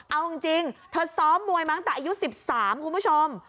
เอาจริงเธอซ้อมมวยมาตั้งแต่อายุ๑๓คุณผู้ชม